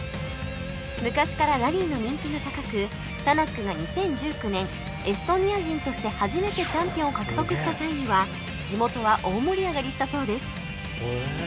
昔からラリーの人気が高くタナックが２０１９年エストニア人として初めてチャンピオンを獲得した際には地元は大盛り上がりしたそうです